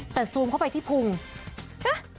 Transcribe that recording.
แต่ซูมเข้าไปที่ภูมิ